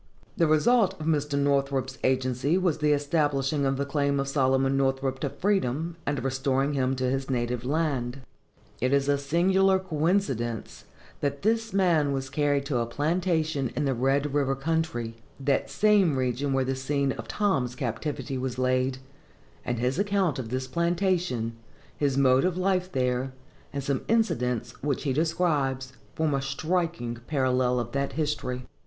The result of Mr. Northrop's agency was the establishing of the claim of Solomon Northrop to freedom, and the restoring him to his native land. It is a singular coincidence that this man was carried to a plantation in the Red river country, that same region where the scene of Tom's captivity was laid; and his account of this plantation, his mode of life there, and some incidents which he describes, form a striking parallel to that history.